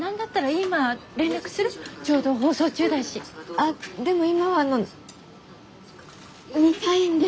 あでも今はあの見たいんで。